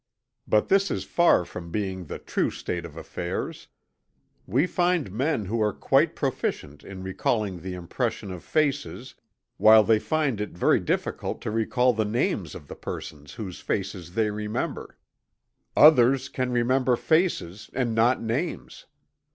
But this is far from being the true state of affairs. We find men who are quite proficient in recalling the impression of faces, while they find it very difficult to recall the names of the persons whose faces they remember. Others can remember faces, and not names.